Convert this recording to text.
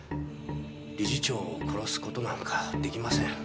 理事長を殺す事なんか出来ません。